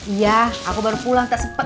iya aku baru pulang tak sempat